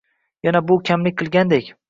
Yana bu kamlik qilgandek.